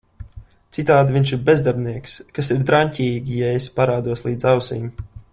Citādi viņš ir bezdarbnieks - kas ir draņķīgi, ja esi parādos līdz ausīm…